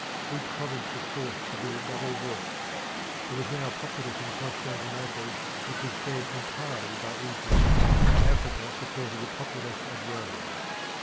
Each province was forced to do double work. There was now a populace in Constantinople which was fed entirely by Egypt, and Africa supported the populace of Rome.